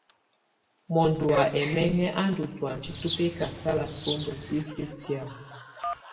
Mɔndɔ wa ɛmɛŋɛ á ndù tɔ̀ánjɛ tù bɛkasala sɔmba sisiǝ́ tɛ̀á.